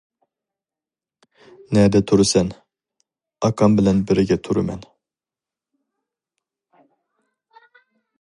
-- نەدە تۇرىسەن؟-- ئاكام بىلەن بىرگە تۇرىمەن.